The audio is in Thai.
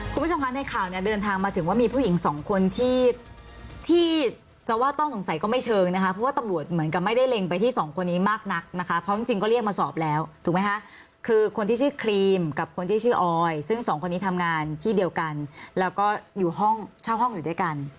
คุณผู้ชมคะในข่าวเนี่ยเดินทางมาถึงว่ามีผู้หญิงสองคนที่ที่จะว่าต้องสงสัยก็ไม่เชิงนะคะเพราะว่าตำรวจเหมือนกับไม่ได้เล็งไปที่สองคนนี้มากนักนะคะเพราะจริงก็เรียกมาสอบแล้วถูกไหมคะคือคนที่ชื่อครีมกับคนที่ชื่อออยซึ่งสองคนนี้ทำงานที่เดียวกันแล้วก็อยู่ห้องเช่าห้องอยู่ด้วยกัน